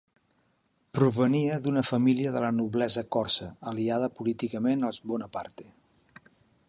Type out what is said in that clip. Provenia d'una família de la noblesa corsa, aliada políticament als Bonaparte.